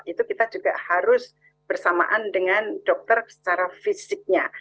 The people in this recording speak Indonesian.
itu kita juga harus bersamaan dengan dokter secara fisiknya